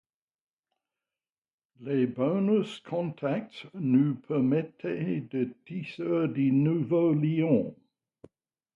Les bonus contacts nous permettent de tisser de nouveaux liens